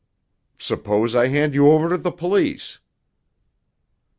"Suppose I hand you over to the police?"